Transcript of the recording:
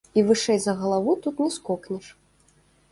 І вышэй за галаву тут не скокнеш.